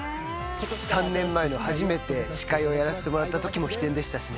３年前初めて司会をやらせてもらったときも飛天でしたしね。